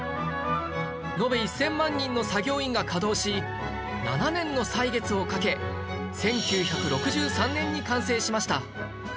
延べ１０００万人の作業員が稼働し７年の歳月をかけ１９６３年に完成しました